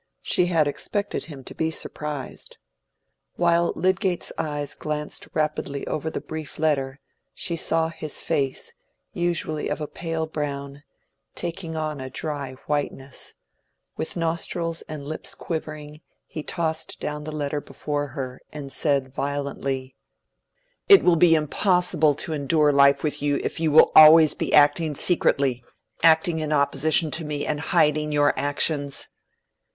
She had expected him to be surprised. While Lydgate's eyes glanced rapidly over the brief letter, she saw his face, usually of a pale brown, taking on a dry whiteness; with nostrils and lips quivering he tossed down the letter before her, and said violently— "It will be impossible to endure life with you, if you will always be acting secretly—acting in opposition to me and hiding your actions."